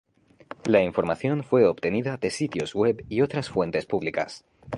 La información fue obtenida de sitios web y otras fuentes públicas.